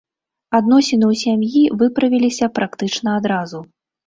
Адносіны ў сям'і выправіліся практычна адразу.